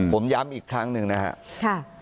ผมย้ำอีกครั้งหนึ่งนะครับ